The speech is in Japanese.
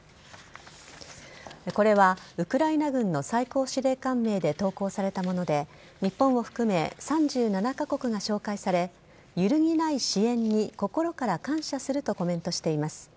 これはウクライナ軍の最高司令官名で投稿されたもので日本を含め３７カ国が紹介され揺るぎない支援に心から感謝するとコメントしています。